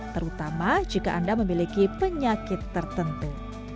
terutama jika anda memiliki penyakit tertentu